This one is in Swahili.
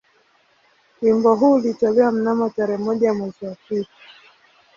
Wimbo huu ulitolewa mnamo tarehe moja mwezi wa pili